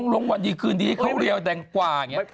ลงวันดีคืนดีให้เขาเรียวแดงกว่าอย่างนี้